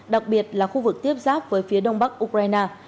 đặc biệt là khu vực tiếp giáp với phía đông bắc ukraine